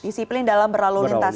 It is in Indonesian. disiplin dalam berlalu lintas